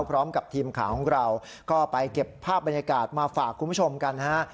พร้อมกับทีมข่าวของเราก็ไปเก็บภาพบรรยากาศมาฝากคุณผู้ชมกันฮะ